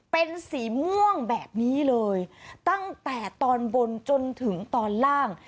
เป็นสีม่วงแบบนี้เลยตั้งแต่ตอนบนจนถึงตอนล่าง